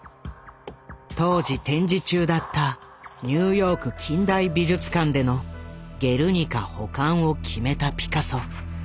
当時展示中だったニューヨーク近代美術館での「ゲルニカ」保管を決めたピカソ。